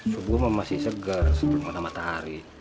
subuh mah masih segar setengah matahari